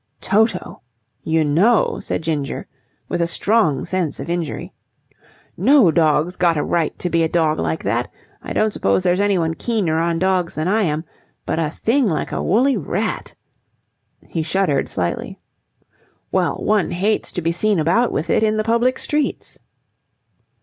"Toto. You know," said Ginger, with a strong sense of injury, "no dog's got a right to be a dog like that. I don't suppose there's anyone keener on dogs than I am, but a thing like a woolly rat." He shuddered slightly. "Well, one hates to be seen about with it in the public streets."